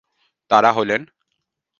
তারা হলেন-